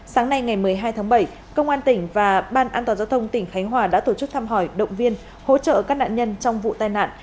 sáng nay ngày một mươi hai tháng bảy công an tỉnh và ban an toàn giao thông tỉnh khánh hòa đã tổ chức thăm hỏi động viên hỗ trợ các nạn nhân trong vụ tai nạn